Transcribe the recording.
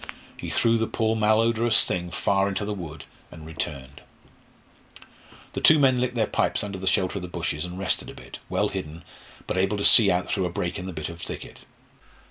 He threw the poor malodorous thing far into the wood and returned. The two men lit their pipes under the shelter of the bushes, and rested a bit, well hidden, but able to see out through a break in the bit of thicket.